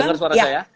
dengar suara saya